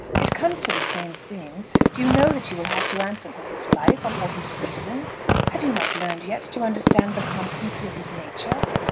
It comes to the same thing. Do you know that you will have to answer for his life, or for his reason? Have you not learned yet to understand the constancy of his nature?"